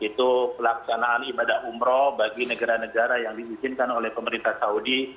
yaitu pelaksanaan ibadah umroh bagi negara negara yang diizinkan oleh pemerintah saudi